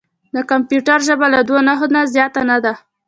د کمپیوټر ژبه له دوه نښو نه زیاته نه ده.